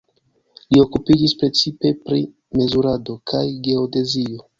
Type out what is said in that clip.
Li okupiĝis precipe pri mezurado kaj geodezio.